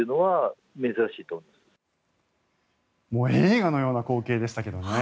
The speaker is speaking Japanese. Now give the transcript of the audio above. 映画のような光景でしたけどね。